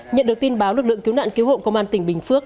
nhận được tin báo lực lượng cứu nạn cứu hộ công an tỉnh bình phước